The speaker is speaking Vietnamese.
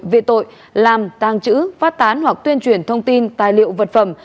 về tội làm tàng trữ phát tán hoặc tuyên truyền thông tin tài liệu vật phẩm